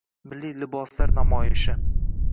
Milliy liboslar namoyishi